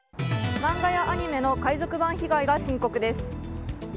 漫画やアニメの海賊版被害が深刻です。